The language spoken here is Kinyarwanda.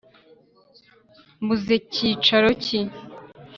mbuze cyicaro ki ?